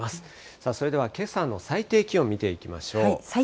さあ、それではけさの最低気温見ていきましょう。